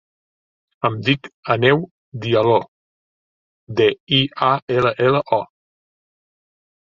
Em dic Aneu Diallo: de, i, a, ela, ela, o.